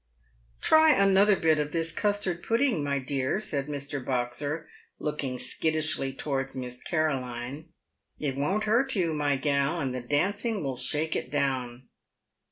"Try another bit of this custard pudding, my dear," said Mr. Boxer, looking skittishly towards Miss Caroline ;" it won't hurt you, my gal, and the dancing will shake it down.